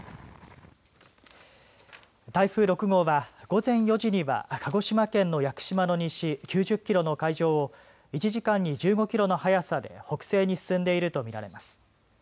台風６号は午前４時には鹿児島県の屋久島の西９０キロの海上を１時間に１５キロの速さで北西に進んでいると見られます。